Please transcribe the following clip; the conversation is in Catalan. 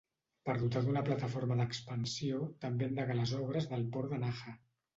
Per dotar d'una plataforma d'expansió també endegà les obres del port de Naha.